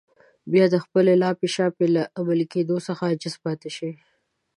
بيا د خپلې لاپې شاپې له عملي کېدو څخه عاجز پاتې شي.